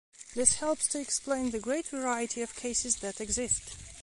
This helps to explain the great variety of cases that exist.